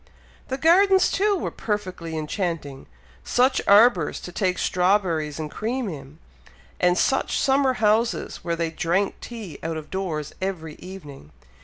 The gardens, too, were perfectly enchanting. Such arbours to take strawberries and cream in! and such summer houses, where they drank tea out of doors every evening!